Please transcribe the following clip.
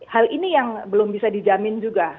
hal ini yang belum bisa dijamin juga